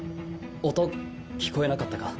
音聞こえなかったか？